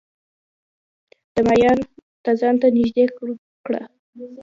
و معیار ته ځان نژدې کړه